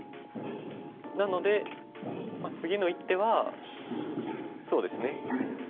なので次の一手はそうですね。